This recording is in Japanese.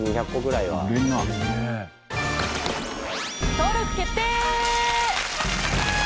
登録決定！